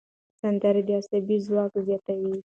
سندرې د اعصابو ځواک زیاتوي.